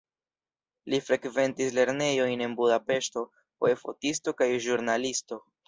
Li frekventis lernejojn en Budapeŝto poe fotisto kaj ĵurnalisto.